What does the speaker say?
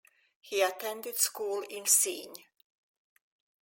He attended school in Sinj.